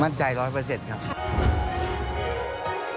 มั่นใจร้อยเปอร์เซ็ตครับ